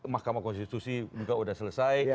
mahkamah konstitusi juga sudah selesai